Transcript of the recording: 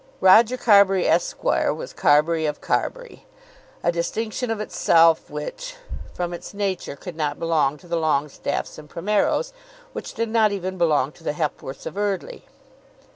Roger Carbury, Esq., was Carbury of Carbury, a distinction of itself, which, from its nature, could not belong to the Longestaffes and Primeros, which did not even belong to the Hepworths of Eardly.